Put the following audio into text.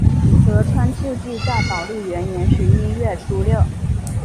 德川治济在宝历元年十一月初六。